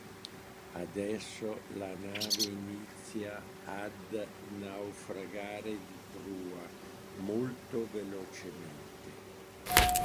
Adesso la nave inizia ad naufragare di prua molto velocemente.